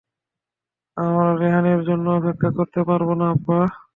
আমরা রেহানের জন্য অপেক্ষা করতে পারবো না আব্বা?